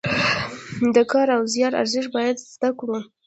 د کار او زیار ارزښت باید زده کړو.